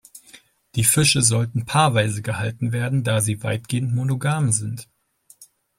Die Fische sollten paarweise gehalten werden, da sie weitgehend monogam sind.